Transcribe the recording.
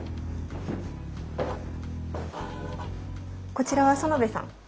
こちらは薗部さん。